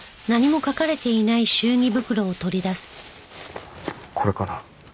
これかな？